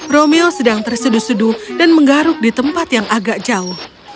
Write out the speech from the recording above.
romeo sedang tersudu sudu dan menggaruk di tempat yang agak jauh